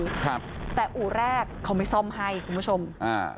ครับแต่อู่แรกเขาไม่ซ่อมให้คุณผู้ชมอ่า